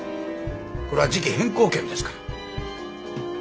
これは時季変更権ですから。